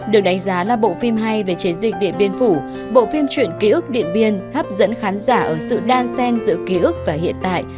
được đánh giá là bộ phim hay về chiến dịch điện biên phủ bộ phim truyện ký ức điện biên hấp dẫn khán giả ở sự đan sen giữa ký ức và hiện tại